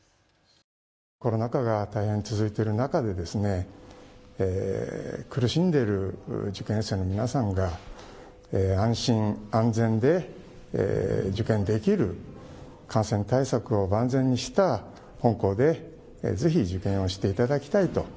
コロナ禍が大変続いている中で苦しんでいる受験生の皆さんが安心安全で受験できる感染対策を万全にした方法でぜひ受験をしていただきたいと。